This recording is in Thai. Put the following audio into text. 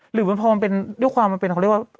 หรือมันพอมันเป็นด้วยความมันเป็นเขาเรียกว่า